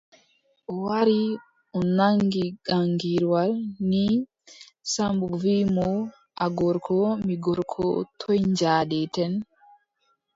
O wari o naŋgi gaŋgirwal nii, Sammbo wiʼi mo : a gorko, mi gorko, toy njaadeten ?